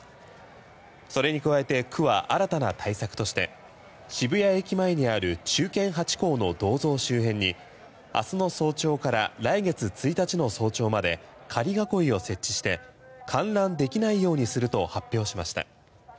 それに加えて区は新たな対策として渋谷駅前にある忠犬ハチ公の銅像周辺に明日の早朝から来月１日の早朝まで仮囲いを設置して観覧できないようにすると発表しました。